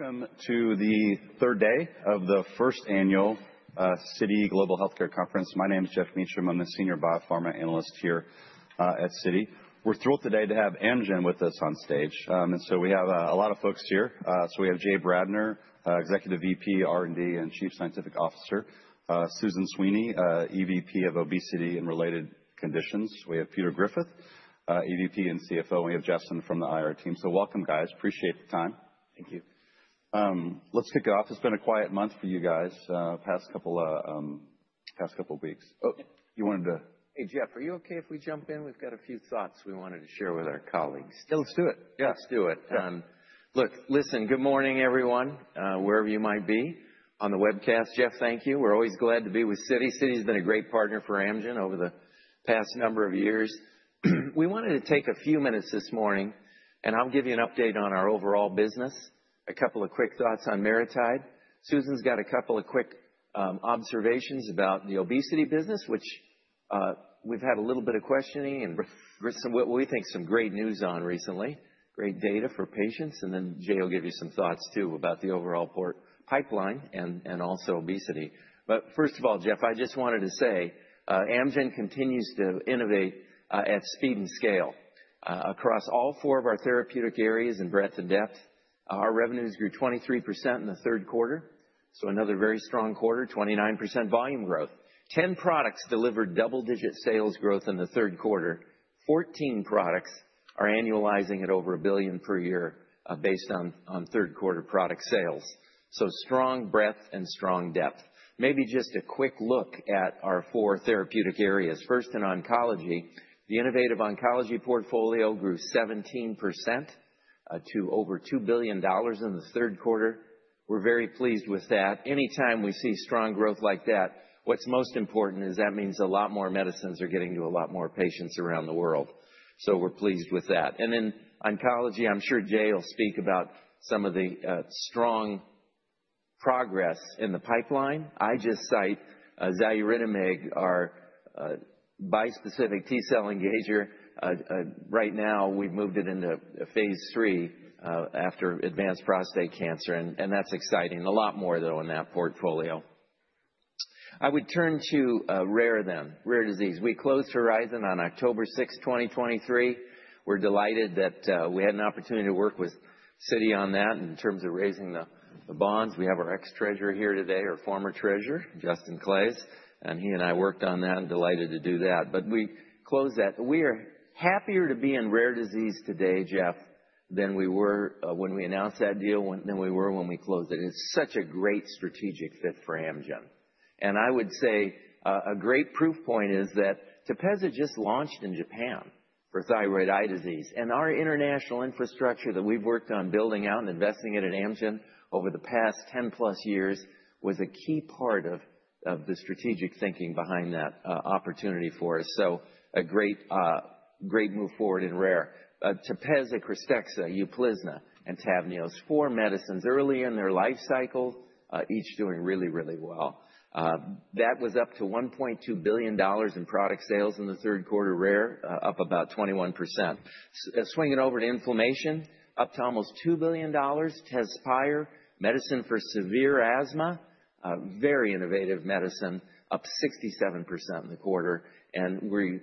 Welcome to the third day of the first annual Citi Global Healthcare Conference. My name is Geoff Meacham. I'm a senior biopharma analyst here at Citi. We're thrilled today to have Amgen with us on stage. And so we have a lot of folks here. So we have Jay Bradner, Executive VP, R&D, and Chief Scientific Officer. Susan Sweeney, EVP of Obesity and Related Conditions. We have Peter Griffith, EVP and CFO. And we have Justin from the IR team. So welcome, guys. Appreciate the time. Thank you. Let's kick it off. It's been a quiet month for you guys the past couple of weeks. Oh, you wanted to. Hey, Geoff, are you okay if we jump in? We've got a few thoughts we wanted to share with our colleagues. Yeah, let's do it. Yeah. Let's do it. Look, listen, good morning, everyone, wherever you might be on the webcast. Geoff, thank you. We're always glad to be with Citi. Citi has been a great partner for Amgen over the past number of years. We wanted to take a few minutes this morning, and I'll give you an update on our overall business, a couple of quick thoughts on MariTide. Susan's got a couple of quick observations about the obesity business, which we've had a little bit of questioning and what we think some great news on recently, great data for patients. And then Jay will give you some thoughts, too, about the overall pipeline and also obesity. But first of all, Geoff, I just wanted to say Amgen continues to innovate at speed and scale across all four of our therapeutic areas in breadth and depth. Our revenues grew 23% in the third quarter, so another very strong quarter, 29% volume growth. Ten products delivered double-digit sales growth in the third quarter. Fourteen products are annualizing at over $1 billion per year based on third-quarter product sales, so strong breadth and strong depth. May be just a quick look at our four therapeutic areas. First, in oncology, the innovative oncology portfolio grew 17% to over $2 billion in the third quarter. We're very pleased with that. Anytime we see strong growth like that, what's most important is that means a lot more medicines are getting to a lot more patients around the world, so we're pleased with that, and in oncology, I'm sure Jay will speak about some of the strong progress in the pipeline. I just cite xaluritamig, our bispecific T-cell engager. Right now, we've moved it into phase III for advanced prostate cancer. That's exciting. A lot more, though, in that portfolio. I would turn to rare disease then. We closed Horizon on October 6, 2023. We're delighted that we had an opportunity to work with Citi on that in terms of raising the bonds. We have our ex-treasurer here today, our former treasurer, Justin Claeys. He and I worked on that and delighted to do that. We closed that. We are happier to be in rare disease today, Geoff, than we were when we announced that deal, than we were when we closed it. It's such a great strategic fit for Amgen. I would say a great proof point is that Tepezza just launched in Japan for thyroid eye disease. Our international infrastructure that we've worked on building out and investing in at Amgen over the past 10-plus years was a key part of the strategic thinking behind that opportunity for us. A great move forward in rare. Tepezza, Krystexxa, Uplizna, and Tavneos, four medicines early in their life cycle, each doing really, really well. That was up to $1.2 billion in product sales in the third quarter, rare, up about 21%. Swinging over to inflammation, up to almost $2 billion. Tezspire, medicine for severe asthma, very innovative medicine, up 67% in the quarter. We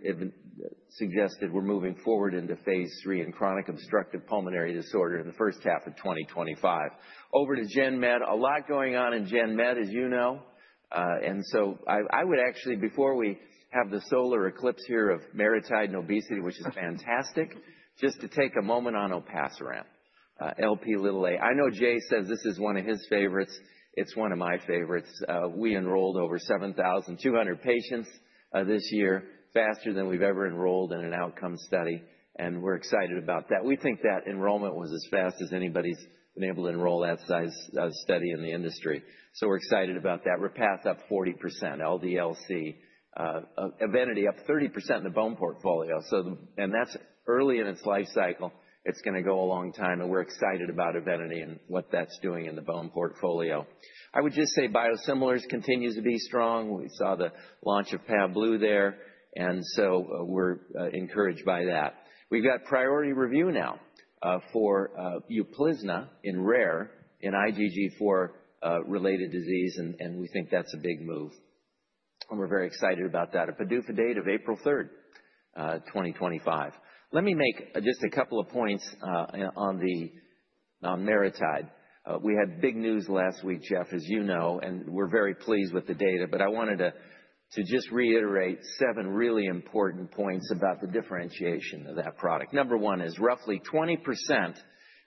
suggested we're moving forward into phase III in chronic obstructive pulmonary disease in the first half of 2025. Over to Gen Med. A lot going on in Gen Med, as you know. And so I would actually, before we have the solar eclipse here of MariTide and obesity, which is fantastic, just to take a moment on olpasiran Lp(a). I know Jay says this is one of his favorites. It's one of my favorites. We enrolled over 7,200 patients this year, faster than we've ever enrolled in an outcome study. And we're excited about that. We think that enrollment was as fast as anybody's been able to enroll that size study in the industry. So we're excited about that. Repatha up 40%, LDL-C. Evenity up 30% in the bone portfolio. And that's early in its life cycle. It's going to go a long time. And we're excited about Evenity and what that's doing in the bone portfolio. I would just say biosimilars continue to be strong. We saw the launch of Pavblu there. And so we're encouraged by that. We've got priority review now for Uplizna in rare IgG4-related disease. We think that's a big move. We're very excited about that. A PDUFA date of April 3, 2025. Let me make just a couple of points on MariTide. We had big news last week, Geoff, as you know, and we're very pleased with the data. I wanted to just reiterate seven really important points about the differentiation of that product. Number one is roughly 20%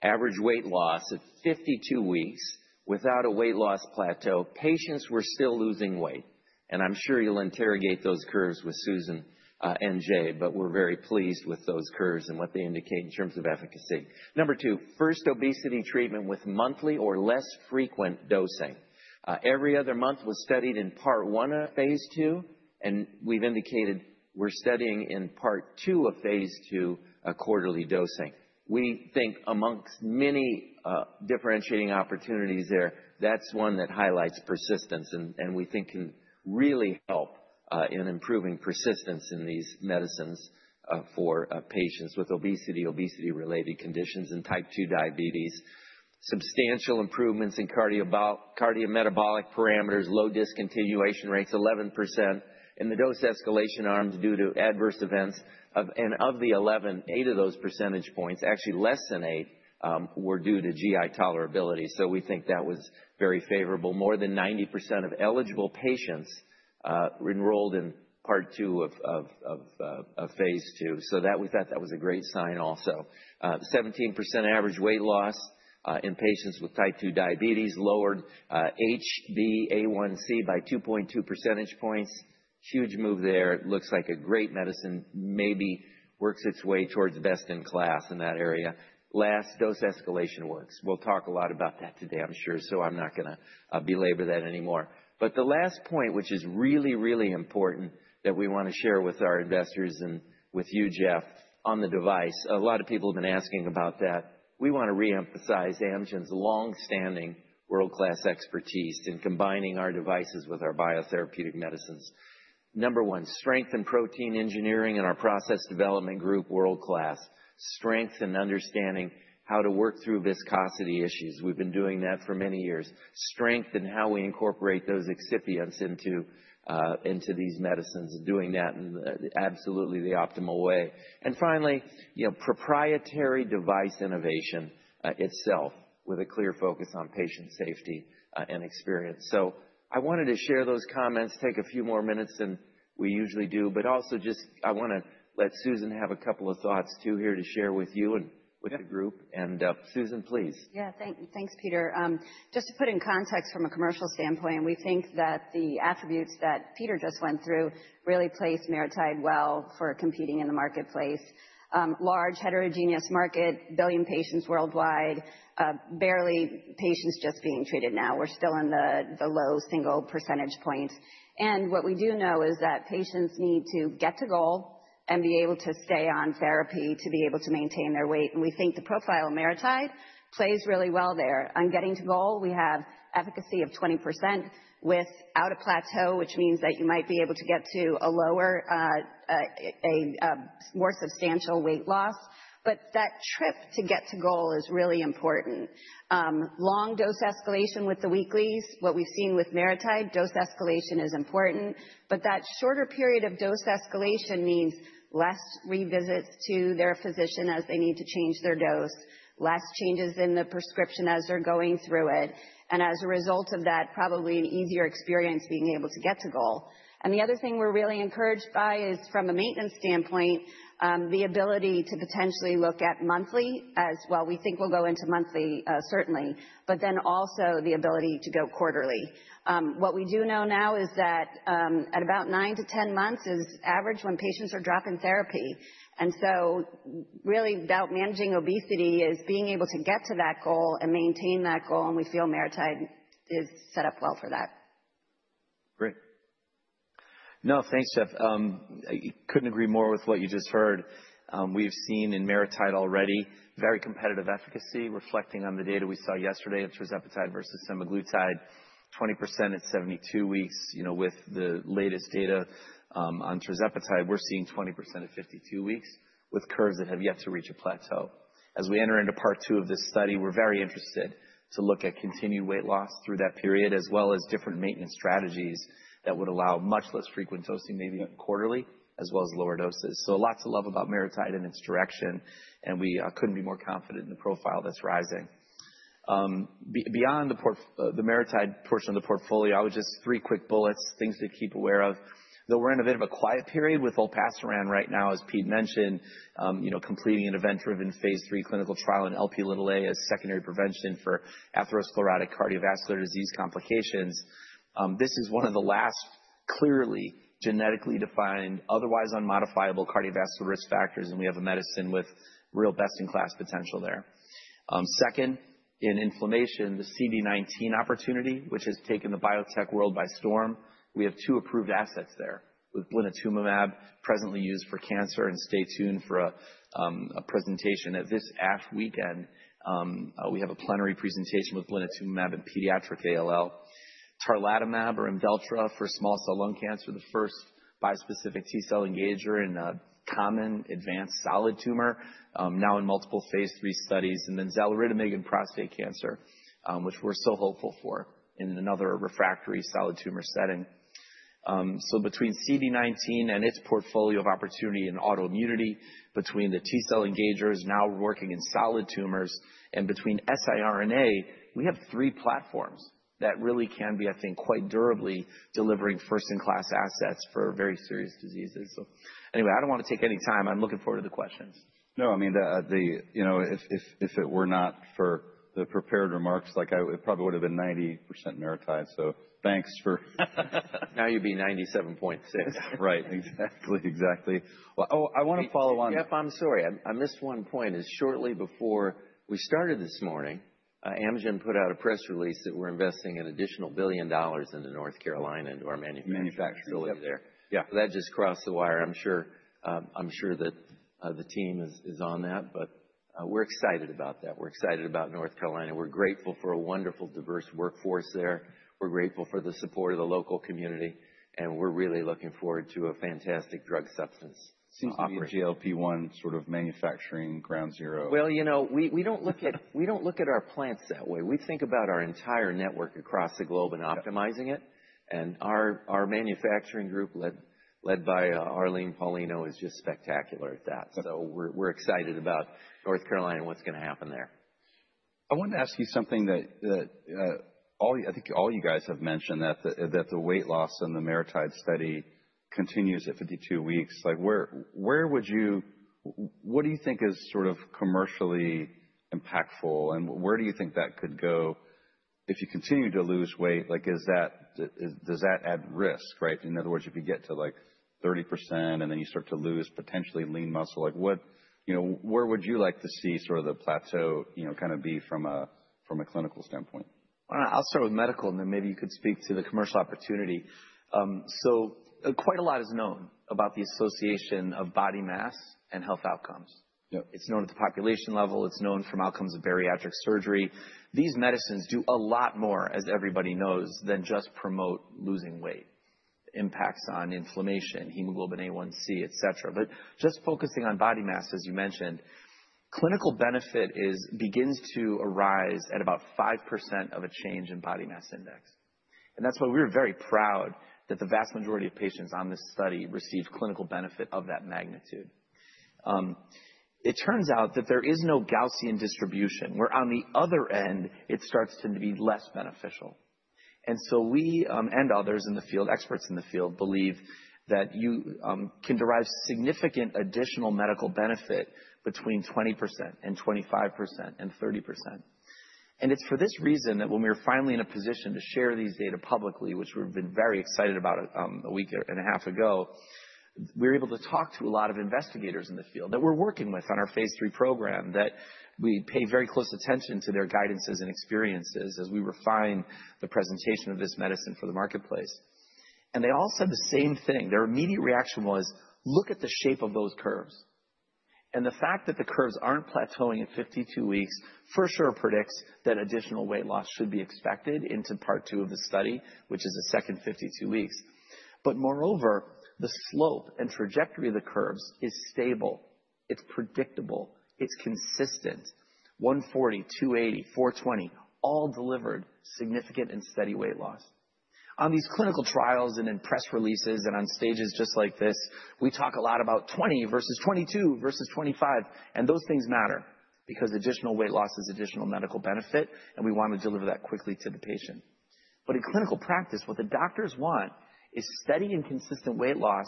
average weight loss at 52 weeks without a weight loss plateau. Patients were still losing weight. I'm sure you'll interrogate those curves with Susan and Jay, but we're very pleased with those curves and what they indicate in terms of efficacy. Number two, first obesity treatment with monthly or less frequent dosing. Every other month was studied in part one of phase II. We've indicated we're studying in part 2 of phase II, quarterly dosing. We think amongst many differentiating opportunities there, that's one that highlights persistence and we think can really help in improving persistence in these medicines for patients with obesity, obesity-related conditions, and type 2 diabetes. Substantial improvements in cardiometabolic parameters, low discontinuation rates, 11%. The dose escalation arms due to adverse events of the 11, eight of those percentage points, actually less than eight, were due to GI tolerability. We think that was very favorable. More than 90% of eligible patients enrolled in part 2 of phase II. We thought that was a great sign also. 17% average weight loss in patients with type 2 diabetes, lowered HbA1c by 2.2 percentage points. Huge move there. Looks like a great medicine maybe works its way towards best in class in that area. Last, dose escalation works. We'll talk a lot about that today, I'm sure, so I'm not going to belabor that anymore. But the last point, which is really, really important that we want to share with our investors and with you, Geoff, on the device, a lot of people have been asking about that. We want to reemphasize Amgen's longstanding world-class expertise in combining our devices with our biotherapeutic medicines. Number one, strengthen protein engineering in our process development group, world-class. Strengthen understanding how to work through viscosity issues. We've been doing that for many years. Strengthen how we incorporate those excipients into these medicines, doing that in absolutely the optimal way. And finally, proprietary device innovation itself with a clear focus on patient safety and experience. So I wanted to share those comments, take a few more minutes than we usually do, but also just, I want to let Susan have a couple of thoughts, too, here to share with you and with the group. And Susan, please. Yeah, thanks, Peter. Just to put in context from a commercial standpoint, we think that the attributes that Peter just went through really place MariTide well for competing in the marketplace. Large heterogeneous market, billion patients worldwide, barely any patients just being treated now. We're still in the low single percentage points. And what we do know is that patients need to get to goal and be able to stay on therapy to be able to maintain their weight. And we think the profile of MariTide plays really well there. On getting to goal, we have efficacy of 20% without a plateau, which means that you might be able to get to a lower, a more substantial weight loss. But that trip to get to goal is really important. Long dose escalation with the weeklies, what we've seen with MariTide, dose escalation is important. But that shorter period of dose escalation means less revisits to their physician as they need to change their dose, less changes in the prescription as they're going through it. And as a result of that, probably an easier experience being able to get to goal. And the other thing we're really encouraged by is, from a maintenance standpoint, the ability to potentially look at monthly as well. We think we'll go into monthly, certainly, but then also the ability to go quarterly. What we do know now is that at about 9 to 10 months is average when patients are dropping therapy. And so really about managing obesity is being able to get to that goal and maintain that goal. And we feel MariTide is set up well for that. Great. No, thanks, Geoff. I couldn't agree more with what you just heard. We've seen in MariTide already very competitive efficacy, reflecting on the data we saw yesterday, tirzepatide versus semaglutide, 20% at 72 weeks. With the latest data on MariTide, we're seeing 20% at 52 weeks with curves that have yet to reach a plateau. As we enter into part two of this study, we're very interested to look at continued weight loss through that period, as well as different maintenance strategies that would allow much less frequent dosing, maybe quarterly, as well as lower doses. So a lot to love about MariTide and its direction. And we couldn't be more confident in the profile that's rising. Beyond the MariTide portion of the portfolio, I would just three quick bullets, things to keep aware of. Though we're in a bit of a quiet period with olpasiran right now, as Pete mentioned, completing an event-driven phase III clinical trial in Lp(a) as secondary prevention for atherosclerotic cardiovascular disease complications. This is one of the last clearly genetically defined, otherwise unmodifiable cardiovascular risk factors, and we have a medicine with real best-in-class potential there. Second, in inflammation, the CD19 opportunity, which has taken the biotech world by storm. We have two approved assets there with blinatumomab presently used for cancer, and stay tuned for a presentation at this ASH weekend. We have a plenary presentation with blinatumomab and pediatric ALL. Tarlatamab or Imdelltra for small cell lung cancer, the first bispecific T-cell engager in a common advanced solid tumor, now in multiple phase III studies, and then xaluritamig in prostate cancer, which we're so hopeful for in another refractory solid tumor setting. So between CD19 and its portfolio of opportunity in autoimmunity, between the T-cell engagers now working in solid tumors, and between siRNA, we have three platforms that really can be, I think, quite durably delivering first-in-class assets for very serious diseases. So anyway, I don't want to take any time. I'm looking forward to the questions. No, I mean, if it were not for the prepared remarks, it probably would have been 90% MariTide. So thanks for. Now you'd be 97.6. Right, exactly, exactly. Oh, I want to follow on. Geoff, I'm sorry. I missed one point. Just shortly before we started this morning, Amgen put out a press release that we're investing an additional $1 billion into North Carolina into our manufacturing facility there. Yeah, that just crossed the wire. I'm sure that the team is on that. But we're excited about that. We're excited about North Carolina. We're grateful for a wonderful, diverse workforce there. We're grateful for the support of the local community. And we're really looking forward to a fantastic drug substance. So you're talking about GLP-1 sort of manufacturing ground zero? You know, we don't look at our plants that way. We think about our entire network across the globe and optimizing it. Our manufacturing group, led by Arleen Paulino, is just spectacular at that. We're excited about North Carolina and what's going to happen there. I wanted to ask you something that I think all you guys have mentioned, that the weight loss in the MariTide study continues at 52 weeks. Where would you, what do you think is sort of commercially impactful? And where do you think that could go if you continue to lose weight? Does that add risk? In other words, if you get to 30% and then you start to lose potentially lean muscle, where would you like to see sort of the plateau kind of be from a clinical standpoint? I'll start with medical, and then maybe you could speak to the commercial opportunity. So quite a lot is known about the association of body mass and health outcomes. It's known at the population level. It's known from outcomes of bariatric surgery. These medicines do a lot more, as everybody knows, than just promote losing weight. Impacts on inflammation, hemoglobin A1c, et cetera. But just focusing on body mass, as you mentioned, clinical benefit begins to arise at about 5% of a change in body mass index. And that's why we're very proud that the vast majority of patients on this study receive clinical benefit of that magnitude. It turns out that there is no Gaussian distribution where, on the other end, it starts to be less beneficial. We and others in the field, experts in the field, believe that you can derive significant additional medical benefit between 20% and 25% and 30%. It's for this reason that when we were finally in a position to share these data publicly, which we've been very excited about a week and a half ago, we were able to talk to a lot of investigators in the field that we're working with on our phase III program, that we pay very close attention to their guidances and experiences as we refine the presentation of this medicine for the marketplace. They all said the same thing. Their immediate reaction was, "Look at the shape of those curves." And the fact that the curves aren't plateauing at 52 weeks for sure predicts that additional weight loss should be expected into part two of the study, which is the second 52 weeks. But moreover, the slope and trajectory of the curves is stable. It's predictable. It's consistent. 140, 280, 420, all delivered significant and steady weight loss. On these clinical trials and in press releases and on stages just like this, we talk a lot about 20 versus 22 versus 25. And those things matter because additional weight loss is additional medical benefit. And we want to deliver that quickly to the patient. But in clinical practice, what the doctors want is steady and consistent weight loss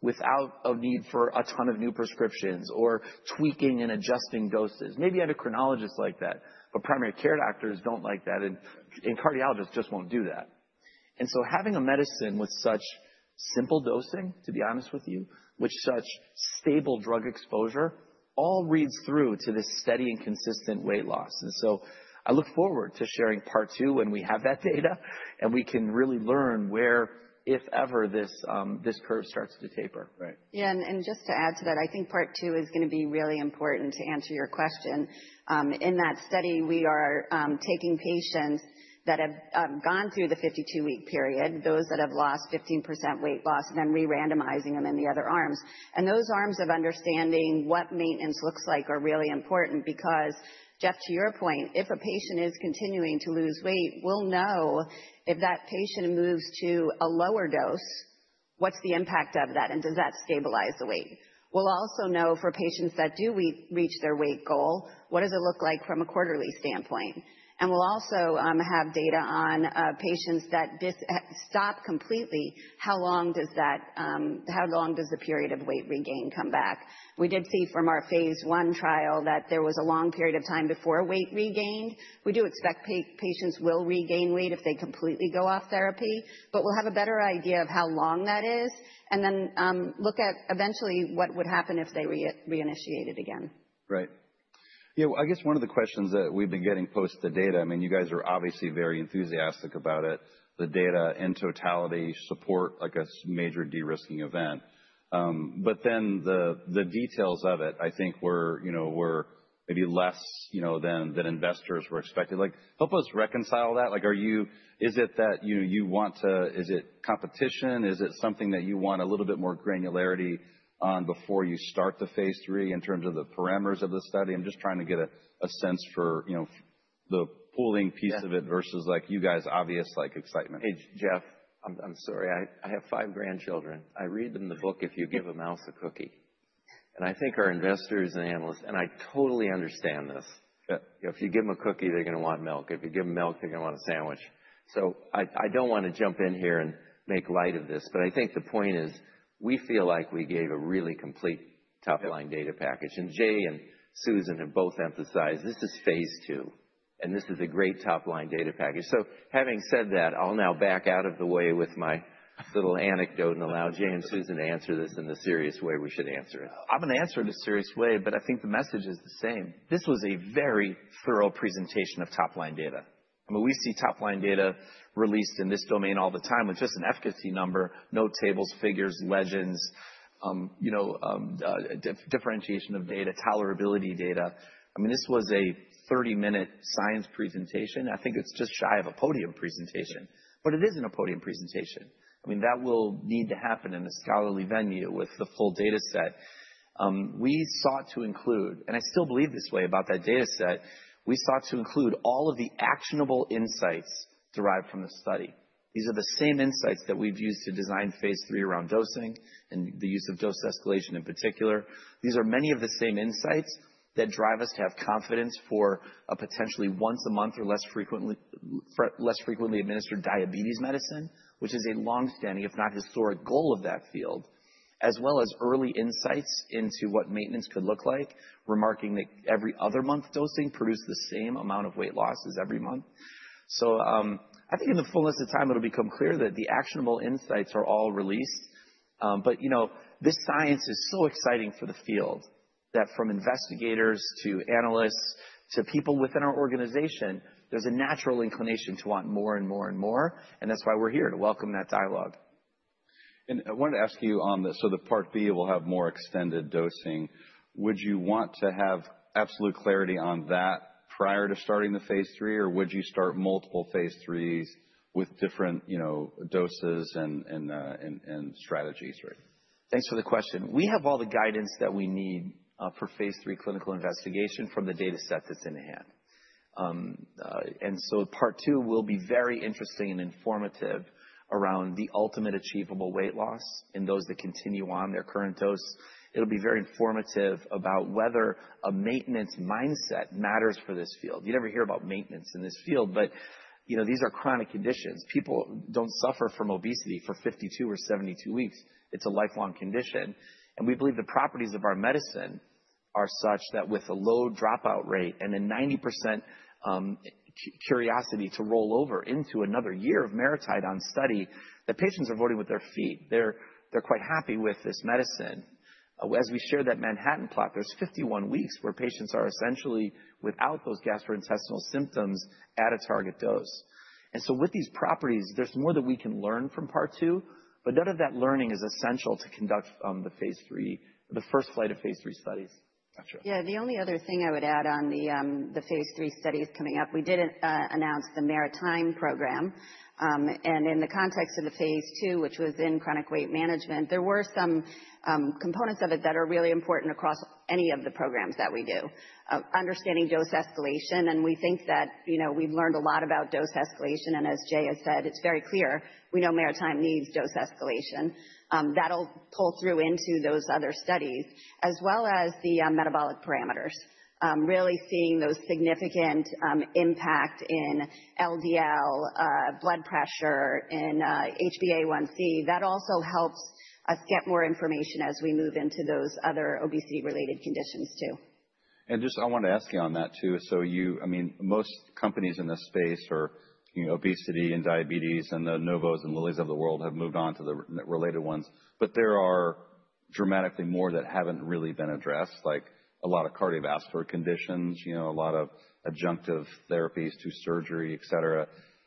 without a need for a ton of new prescriptions or tweaking and adjusting doses. Maybe endocrinologists like that, but primary care doctors don't like that. And cardiologists just won't do that. And so having a medicine with such simple dosing, to be honest with you, with such stable drug exposure, all reads through to this steady and consistent weight loss. And so I look forward to sharing part two when we have that data and we can really learn where, if ever, this curve starts to taper. Yeah, and just to add to that, I think part two is going to be really important to answer your question. In that study, we are taking patients that have gone through the 52-week period, those that have lost 15% weight loss, and then re-randomizing them in the other arms. And those arms of understanding what maintenance looks like are really important because, Geoff, to your point, if a patient is continuing to lose weight, we'll know if that patient moves to a lower dose, what's the impact of that, and does that stabilize the weight. We'll also know for patients that do reach their weight goal, what does it look like from a quarterly standpoint. And we'll also have data on patients that stop completely. How long does the period of weight regain come back? We did see from our phase I trial that there was a long period of time before weight regained. We do expect patients will regain weight if they completely go off therapy. But we'll have a better idea of how long that is and then look at eventually what would happen if they reinitiated again. Right. Yeah, I guess one of the questions that we've been getting post the data. I mean, you guys are obviously very enthusiastic about it. The data in totality support a major de-risking event. But then the details of it, I think, were maybe less than investors were expecting. Help us reconcile that. Is it that you want to, is it competition? Is it something that you want a little bit more granularity on before you start the phase III in terms of the parameters of the study? I'm just trying to get a sense for the pooling piece of it versus you guys' obvious excitement. Hey, Geoff, I'm sorry. I have five grandchildren. I read in the book, "If you give a mouse a cookie," and I think our investors and analysts, and I totally understand this. If you give them a cookie, they're going to want milk. If you give them milk, they're going to want a sandwich, so I don't want to jump in here and make light of this. But I think the point is we feel like we gave a really complete top-line data package, and Jay and Susan have both emphasized this is phase II. And this is a great top-line data package, so having said that, I'll now back out of the way with my little anecdote and allow Jay and Susan to answer this in the serious way we should answer it. I'm going to answer it in a serious way, but I think the message is the same. This was a very thorough presentation of top-line data. I mean, we see top-line data released in this domain all the time with just an efficacy number, no tables, figures, legends, differentiation of data, tolerability data. I mean, this was a 30-minute science presentation. I think it's just shy of a podium presentation. But it isn't a podium presentation. I mean, that will need to happen in a scholarly venue with the full data set. We sought to include, and I still believe this way about that data set, we sought to include all of the actionable insights derived from the study. These are the same insights that we've used to design phase III around dosing and the use of dose escalation in particular. These are many of the same insights that drive us to have confidence for a potentially once-a-month or less frequently administered diabetes medicine, which is a longstanding, if not historic, goal of that field, as well as early insights into what maintenance could look like, remarking that every other month dosing produced the same amount of weight loss as every month, so I think in the fullness of time, it'll become clear that the actionable insights are all released, but this science is so exciting for the field that from investigators to analysts to people within our organization, there's a natural inclination to want more and more and more, and that's why we're here to welcome that dialogue. I wanted to ask you on the, so the part B will have more extended dosing. Would you want to have absolute clarity on that prior to starting the phase III, or would you start multiple phase III's with different doses and strategies? Thanks for the question. We have all the guidance that we need for phase III clinical investigation from the data set that's in hand. And so part two will be very interesting and informative around the ultimate achievable weight loss in those that continue on their current dose. It'll be very informative about whether a maintenance mindset matters for this field. You never hear about maintenance in this field. But these are chronic conditions. People don't suffer from obesity for 52 or 72 weeks. It's a lifelong condition. And we believe the properties of our medicine are such that with a low dropout rate and a 90% curiosity to roll over into another year of MariTide on study, that patients are voting with their feet. They're quite happy with this medicine. As we shared that Manhattan plot, there's 51 weeks where patients are essentially without those gastrointestinal symptoms at a target dose. And so with these properties, there's more that we can learn from part two. But none of that learning is essential to conduct the first flight of phase III studies. Gotcha. Yeah, the only other thing I would add on the phase III studies coming up. We did announce the MariTide program. In the context of the phase II, which was in chronic weight management, there were some components of it that are really important across any of the programs that we do, understanding dose escalation. We think that we've learned a lot about dose escalation. As Jay has said, it's very clear. We know MariTide needs dose escalation. That'll pull through into those other studies, as well as the metabolic parameters, really seeing those significant impact in LDL, blood pressure, and HbA1c. That also helps us get more information as we move into those other obesity-related conditions too. And I just wanted to ask you on that too. So I mean, most companies in this space are obesity and diabetes, and the Novos and Lillys of the world have moved on to the related ones. But there are dramatically more that haven't really been addressed, like a lot of cardiovascular conditions, a lot of adjunctive therapies to surgery, et cetera.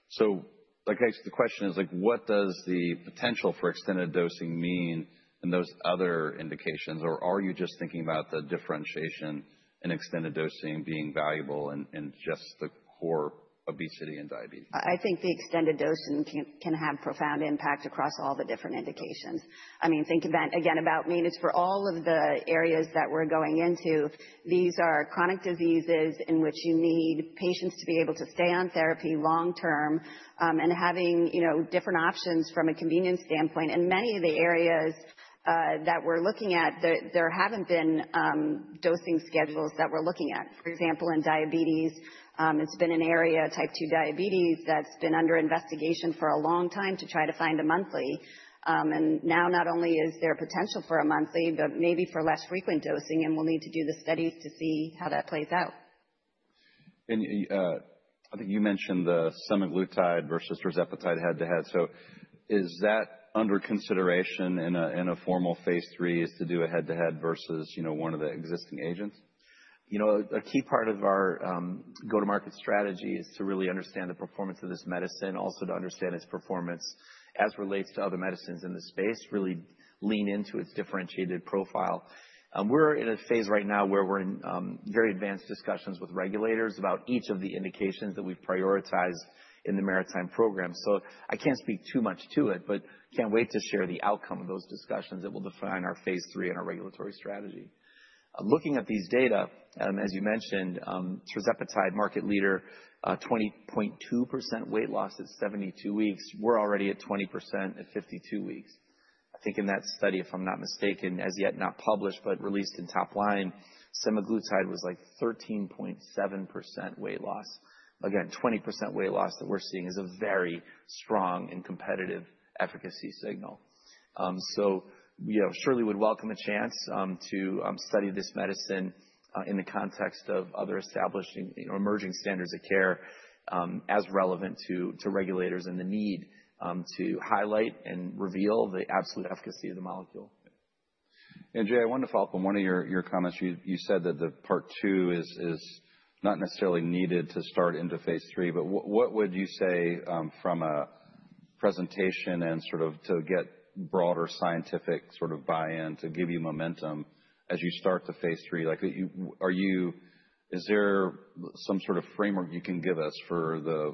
So I guess the question is, what does the potential for extended dosing mean in those other indications? Or are you just thinking about the differentiation in extended dosing being valuable in just the core obesity and diabetes? I think the extended dosing can have a profound impact across all the different indications. I mean, think again about maintenance for all of the areas that we're going into. These are chronic diseases in which you need patients to be able to stay on therapy long term and having different options from a convenience standpoint. In many of the areas that we're looking at, there haven't been dosing schedules that we're looking at. For example, in diabetes, it's been an area, type 2 diabetes, that's been under investigation for a long time to try to find a monthly. And now not only is there potential for a monthly, but maybe for less frequent dosing. And we'll need to do the studies to see how that plays out. And I think you mentioned the semaglutide versus tirzepatide head-to-head. So is that under consideration in a formal phase III is to do a head-to-head versus one of the existing agents? A key part of our go-to-market strategy is to really understand the performance of this medicine, also to understand its performance as it relates to other medicines in the space, really lean into its differentiated profile. We're in a phase right now where we're in very advanced discussions with regulators about each of the indications that we've prioritized in the MariTide program. So I can't speak too much to it, but can't wait to share the outcome of those discussions that will define our phase III and our regulatory strategy. Looking at these data, as you mentioned, tirzepatide, market leader, 20.2% weight loss at 72 weeks. We're already at 20% at 52 weeks. I think in that study, if I'm not mistaken, as yet not published, but released in top line, semaglutide was like 13.7% weight loss. Again, 20% weight loss that we're seeing is a very strong and competitive efficacy signal, so we surely would welcome a chance to study this medicine in the context of other established emerging standards of care as relevant to regulators and the need to highlight and reveal the absolute efficacy of the molecule. Jay, I wanted to follow up on one of your comments. You said that part two is not necessarily needed to start into phase III. But what would you say from a presentation and sort of to get broader scientific sort of buy-in to give you momentum as you start the phase III? Is there some sort of framework you can give us for the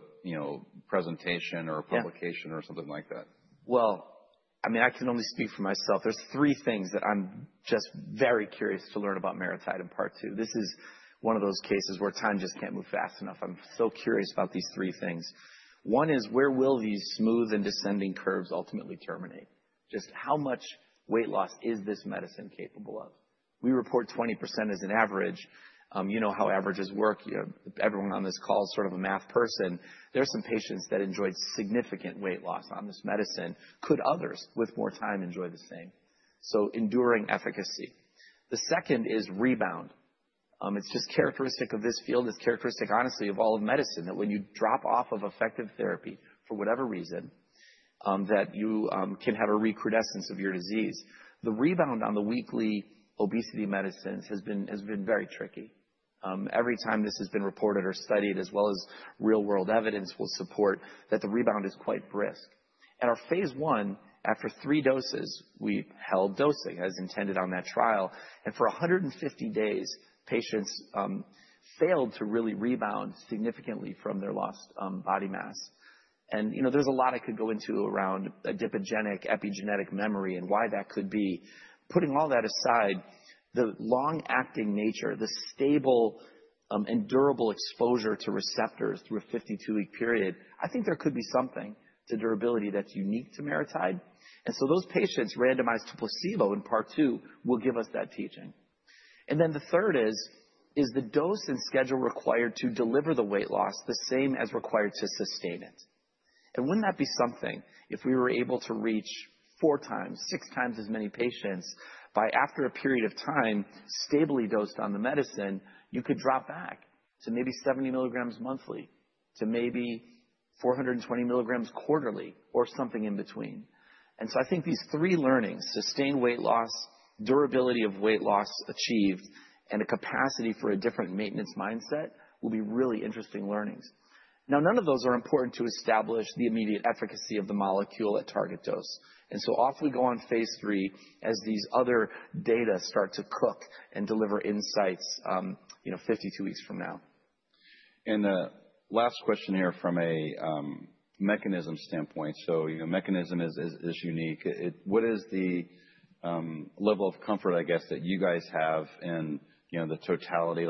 presentation or publication or something like that? Well, I mean, I can only speak for myself. There's three things that I'm just very curious to learn about MariTide and part two. This is one of those cases where time just can't move fast enough. I'm so curious about these three things. One is, where will these smooth and descending curves ultimately terminate? Just how much weight loss is this medicine capable of? We report 20% as an average. You know how averages work. Everyone on this call is sort of a math person. There are some patients that enjoyed significant weight loss on this medicine. Could others with more time enjoy the same? So enduring efficacy. The second is rebound. It's just characteristic of this field, it's characteristic, honestly, of all of medicine that when you drop off of effective therapy for whatever reason, that you can have a recrudescence of your disease. The rebound on the weekly obesity medicines has been very tricky. Every time this has been reported or studied, as well as real-world evidence will support that the rebound is quite brisk. At our phase I, after three doses, we held dosing as intended on that trial. For 150 days, patients failed to really rebound significantly from their lost body mass. There's a lot I could go into around adipogenic epigenetic memory and why that could be. Putting all that aside, the long-acting nature, the stable and durable exposure to receptors through a 52-week period, I think there could be something to durability that's unique to MariTide. So those patients randomized to placebo in part 2 will give us that teaching. Then the third is, the dose and schedule required to deliver the weight loss the same as required to sustain it? Wouldn't that be something if we were able to reach four times, six times as many patients by, after a period of time, stably dosed on the medicine, you could drop back to maybe 70 milligrams monthly to maybe 420 milligrams quarterly or something in between? So I think these three learnings, sustained weight loss, durability of weight loss achieved, and a capacity for a different maintenance mindset, will be really interesting learnings. Now, none of those are important to establish the immediate efficacy of the molecule at target dose. So off we go on phase III as these other data start to cook and deliver insights 52 weeks from now. Last question here from a mechanism standpoint. A mechanism is unique. What is the level of comfort, I guess, that you guys have in the totality?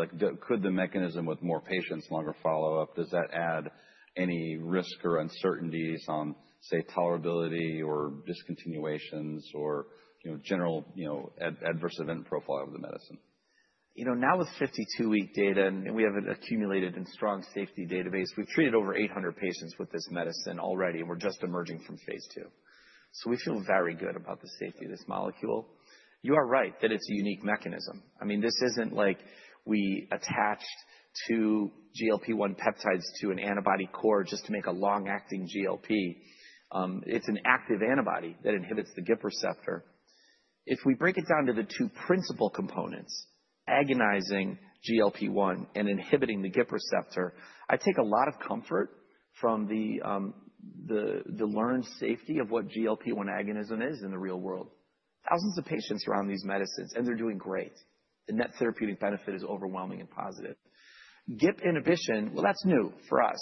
Could the mechanism with more patients, longer follow-up, does that add any risk or uncertainties on, say, tolerability or discontinuations or general adverse event profile of the medicine? Now with 52-week data, and we have an accumulated and strong safety database, we've treated over 800 patients with this medicine already. And we're just emerging from phase II. So we feel very good about the safety of this molecule. You are right that it's a unique mechanism. I mean, this isn't like we attached two GLP-1 peptides to an antibody core just to make a long-acting GLP. It's an active antibody that inhibits the GIP receptor. If we break it down to the two principal components, agonizing GLP-1 and inhibiting the GIP receptor, I take a lot of comfort from the learned safety of what GLP-1 agonism is in the real world. Thousands of patients are on these medicines, and they're doing great. And that therapeutic benefit is overwhelming and positive. GIP inhibition, well, that's new for us.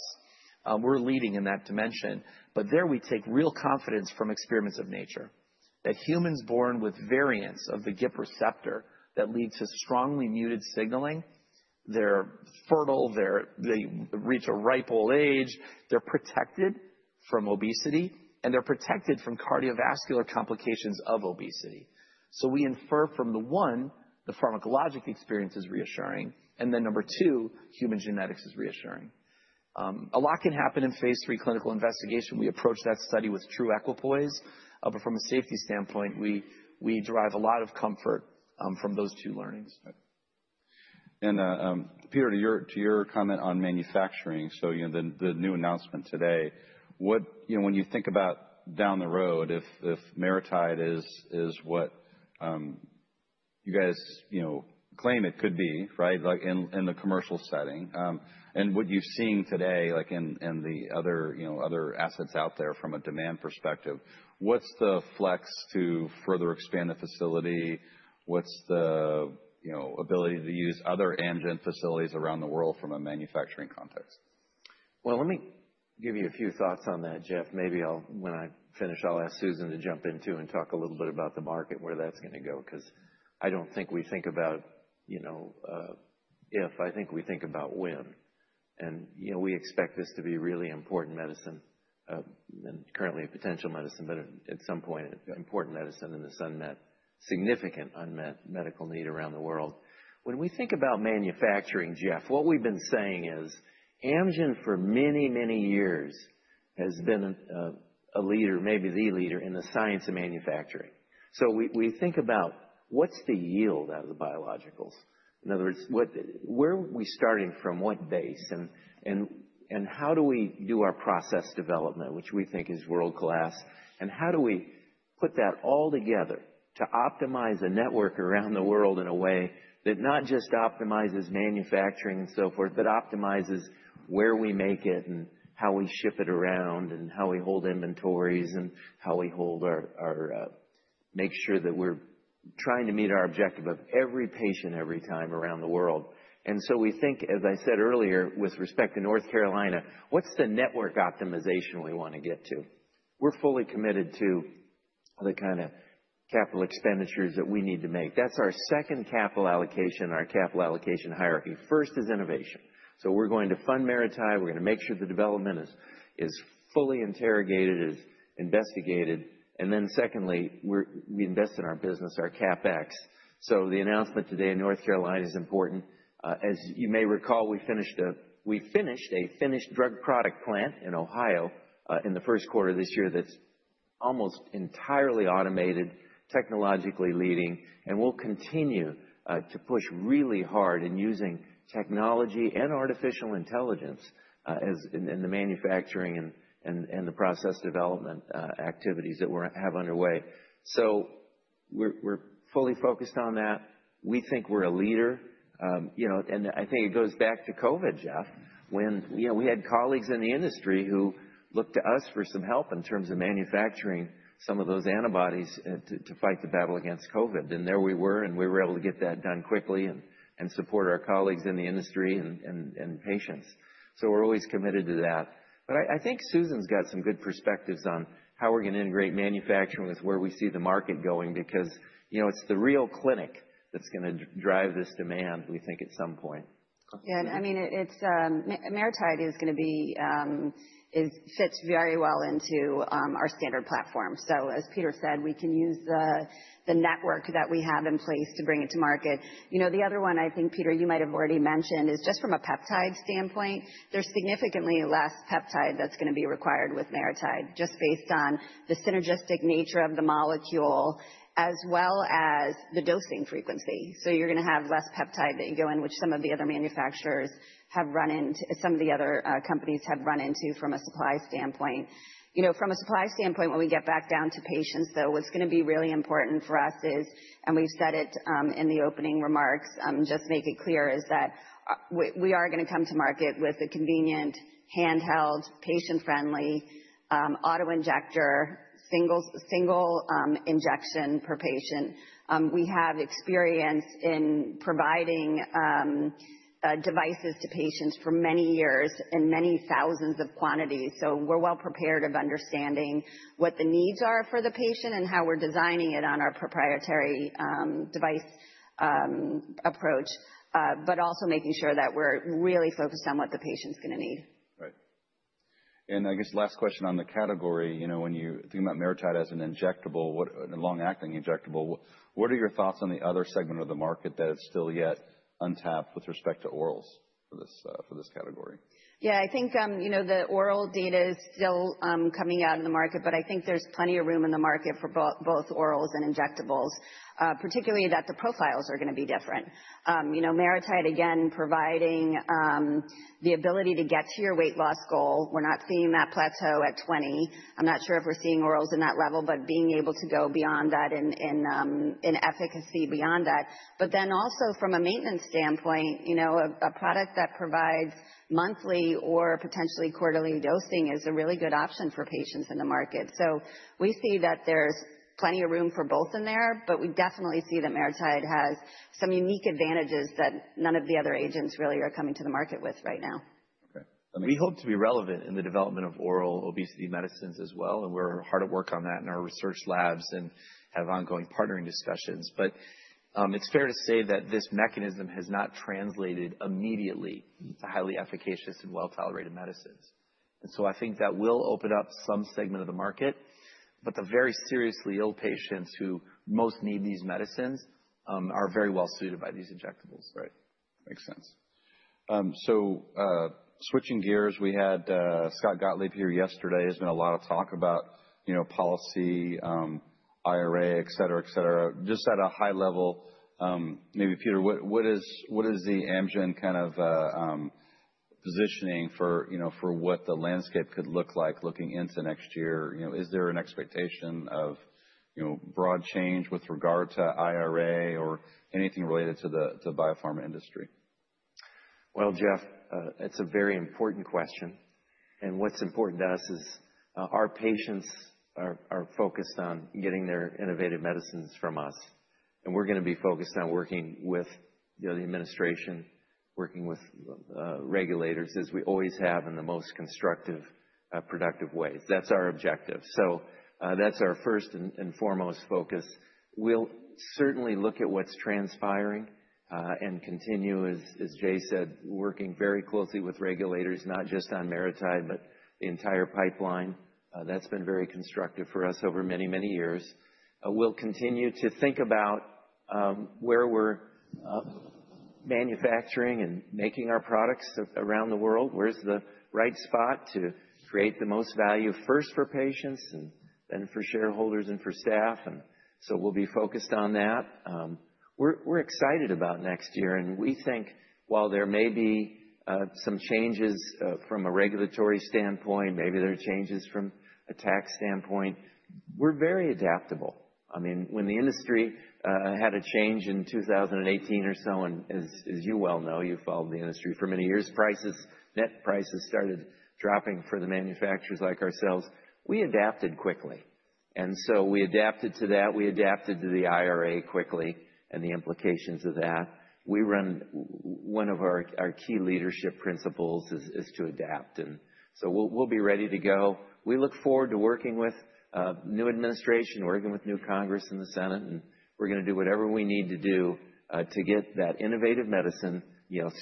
We're leading in that dimension. But there we take real confidence from experiments of nature that humans born with variants of the GIP receptor that lead to strongly muted signaling, they're fertile, they reach a ripe old age, they're protected from obesity, and they're protected from cardiovascular complications of obesity. So we infer from the one, the pharmacologic experience is reassuring. And then number two, human genetics is reassuring. A lot can happen in phase III clinical investigation. We approach that study with true equipoise. But from a safety standpoint, we derive a lot of comfort from those two learnings. Peter, to your comment on manufacturing, so the new announcement today, when you think about down the road, if MariTide is what you guys claim it could be in the commercial setting, and what you're seeing today in the other assets out there from a demand perspective, what's the flex to further expand the facility? What's the ability to use other Amgen facilities around the world from a manufacturing context? Well, let me give you a few thoughts on that, Geoff. Maybe when I finish, I'll ask Susan to jump in too and talk a little bit about the market, where that's going to go. Because I don't think we think about if, I think we think about when. And we expect this to be really important medicine and currently a potential medicine, but at some point, important medicine in this significant unmet medical need around the world. When we think about manufacturing, Geoff what we've been saying is Amgen for many, many years has been a leader, maybe the leader in the science of manufacturing. So we think about what's the yield out of the biologicals? In other words, where are we starting from, what base? And how do we do our process development, which we think is world-class? And how do we put that all together to optimize a network around the world in a way that not just optimizes manufacturing and so forth, but optimizes where we make it and how we ship it around and how we hold inventories and how we make sure that we're trying to meet our objective of every patient every time around the world? And so we think, as I said earlier, with respect to North Carolina, what's the network optimization we want to get to? We're fully committed to the kind of capital expenditures that we need to make. That's our second capital allocation, our capital allocation hierarchy. First is innovation. So we're going to fund MariTide. We're going to make sure the development is fully interrogated, is investigated. And then secondly, we invest in our business, our CapEx. So the announcement today in North Carolina is important. As you may recall, we finished a finished drug product plant in Ohio in the first quarter of this year that's almost entirely automated, technologically leading. And we'll continue to push really hard in using technology and artificial intelligence in the manufacturing and the process development activities that we have underway. So we're fully focused on that. We think we're a leader. And I think it goes back to COVID, Geoff, when we had colleagues in the industry who looked to us for some help in terms of manufacturing some of those antibodies to fight the battle against COVID. And there we were. And we were able to get that done quickly and support our colleagues in the industry and patients. So we're always committed to that. But I think Susan's got some good perspectives on how we're going to integrate manufacturing with where we see the market going because it's the real clinic that's going to drive this demand, we think, at some point. Yeah. I mean, MariTide is going to fit very well into our standard platform. So as Peter said, we can use the network that we have in place to bring it to market. The other one, I think, Peter, you might have already mentioned, is just from a peptide standpoint, there's significantly less peptide that's going to be required with MariTide just based on the synergistic nature of the molecule as well as the dosing frequency. So you're going to have less peptide that you go in, which some of the other manufacturers have run into, some of the other companies have run into from a supply standpoint. From a supply standpoint, when we get back down to patients, though, what's going to be really important for us is, and we've said it in the opening remarks, just make it clear is that we are going to come to market with a convenient, handheld, patient-friendly autoinjector, single injection per patient. We have experience in providing devices to patients for many years in many thousands of quantities. So we're well prepared of understanding what the needs are for the patient and how we're designing it on our proprietary device approach, but also making sure that we're really focused on what the patient's going to need. Right, and I guess last question on the category. When you think about MariTide as an injectable, a long-acting injectable, what are your thoughts on the other segment of the market that is still yet untapped with respect to orals for this category? Yeah. I think the oral data is still coming out in the market, but I think there's plenty of room in the market for both orals and injectables, particularly that the profiles are going to be different. MariTide, again, providing the ability to get to your weight loss goal. We're not seeing that plateau at 20. I'm not sure if we're seeing orals in that level, but being able to go beyond that in efficacy beyond that, but then also from a maintenance standpoint, a product that provides monthly or potentially quarterly dosing is a really good option for patients in the market, so we see that there's plenty of room for both in there, but we definitely see that MariTide has some unique advantages that none of the other agents really are coming to the market with right now. Okay. We hope to be relevant in the development of oral obesity medicines as well. And we're hard at work on that in our research labs and have ongoing partnering discussions. But it's fair to say that this mechanism has not translated immediately to highly efficacious and well-tolerated medicines. And so I think that will open up some segment of the market. But the very seriously ill patients who most need these medicines are very well suited by these injectables. Right. Makes sense. So switching gears, we had Scott Gottlieb here yesterday. There's been a lot of talk about policy, IRA, et cetera, et cetera. Just at a high level, maybe Peter, what is the Amgen kind of positioning for what the landscape could look like looking into next year? Is there an expectation of broad change with regard to IRA or anything related to the biopharma industry? Well, Geoff, it's a very important question. And what's important to us is our patients are focused on getting their innovative medicines from us. And we're going to be focused on working with the administration, working with regulators as we always have in the most constructive, productive ways. That's our objective. So that's our first and foremost focus. We'll certainly look at what's transpiring and continue, as Jay said, working very closely with regulators, not just on MariTide, but the entire pipeline. That's been very constructive for us over many, many years. We'll continue to think about where we're manufacturing and making our products around the world, where's the right spot to create the most value first for patients and then for shareholders and for staff. And so we'll be focused on that. We're excited about next year. We think while there may be some changes from a regulatory standpoint, maybe there are changes from a tax standpoint, we're very adaptable. I mean, when the industry had a change in 2018 or so, and as you well know, you've followed the industry for many years, prices, net prices started dropping for the manufacturers like ourselves. We adapted quickly. So we adapted to that. We adapted to the IRA quickly and the implications of that. One of our key leadership principles is to adapt. We'll be ready to go. We look forward to working with new administration, working with new Congress and the Senate. We're going to do whatever we need to do to get that innovative medicine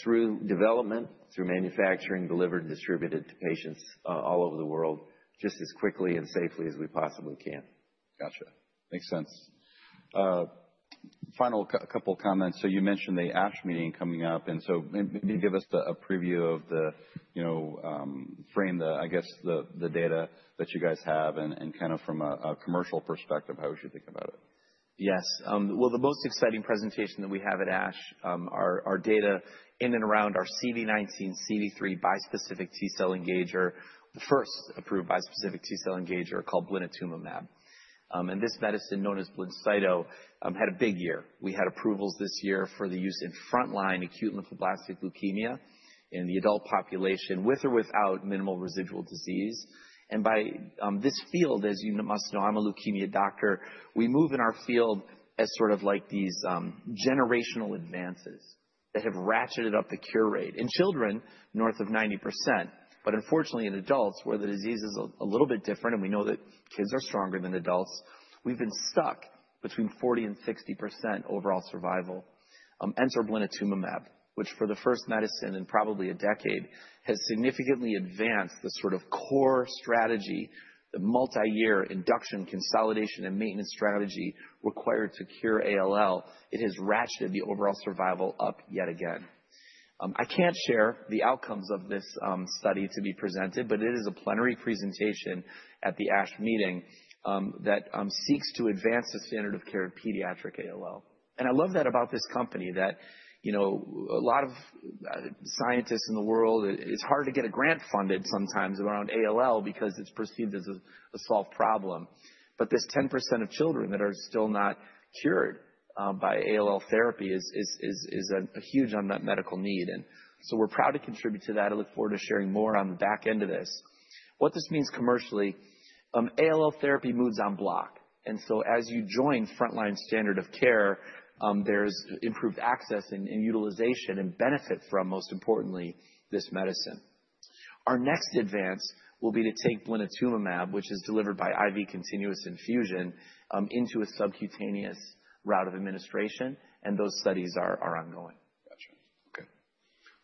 through development, through manufacturing, delivered, distributed to patients all over the world just as quickly and safely as we possibly can. Gotcha. Makes sense. Final couple of comments. So you mentioned the ASH meeting coming up. And so maybe give us a preview of the frame, I guess, the data that you guys have and kind of from a commercial perspective, how would you think about it? Yes. Well, the most exciting presentation that we have at ASH are data in and around our CD19, CD3 bispecific T-cell engager, the first approved bispecific T-cell engager called blinatumomab. This medicine known as Blincito had a big year. We had approvals this year for the use in frontline acute lymphoblastic leukemia in the adult population with or without minimal residual disease. In this field, as you must know, I'm a leukemia doctor. We move in our field as sort of like these generational advances that have ratcheted up the cure rate. In children, north of 90%. But unfortunately, in adults, where the disease is a little bit different, and we know that kids are stronger than adults, we've been stuck between 40%-60% overall survival. Enter Blincito, which for the first medicine in probably a decade has significantly advanced the sort of core strategy, the multi-year induction, consolidation, and maintenance strategy required to cure ALL. It has ratcheted the overall survival up yet again. I can't share the outcomes of this study to be presented, but it is a plenary presentation at the ASH meeting that seeks to advance the standard of care of pediatric ALL, and I love that about this company that a lot of scientists in the world, it's hard to get a grant funded sometimes around ALL because it's perceived as a solved problem, but this 10% of children that are still not cured by ALL therapy is a huge unmet medical need, and so we're proud to contribute to that. I look forward to sharing more on the back end of this. What this means commercially, ALL therapy moves en bloc, and so as you join frontline standard of care, there's improved access and utilization and benefit from, most importantly, this medicine. Our next advance will be to take Blincito, which is delivered by IV continuous infusion, into a subcutaneous route of administration, and those studies are ongoing. Gotcha. Okay.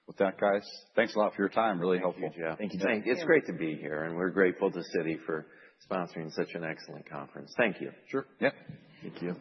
With that, guys, thanks a lot for your time. Really helpful. Thank you, Geoff. Thank you, John. It's great to be here, and we're grateful to Citi for sponsoring such an excellent conference. Thank you. Sure. Yeah. Thank you.